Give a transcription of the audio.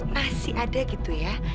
masih ada gitu ya